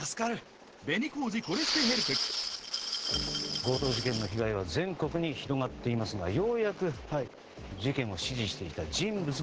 強盗事件の被害は全国に広がっていますがようやく事件を指示していた人物が